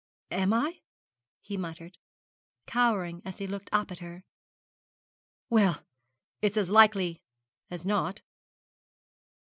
'Am I?' he muttered, cowering as he looked up at her. 'Well, it's as likely as not.